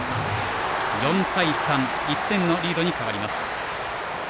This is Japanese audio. ４対３、１点のリードに変わります。